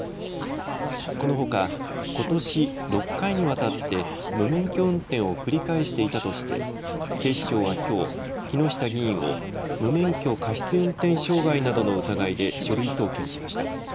このほかことし、６回にわたって無免許運転を繰り返していたとして警視庁はきょう木下議員を無免許過失運転傷害などの疑いで書類送検しました。